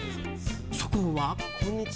そこは。